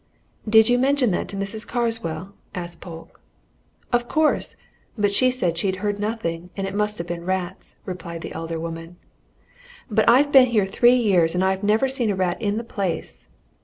"Did you mention that to Mrs. Carswell?" asked Polke. "Of course! but she said she'd heard nothing, and it must have been rats," replied the elder woman. "But I've been here three years and I've never seen a rat in the place."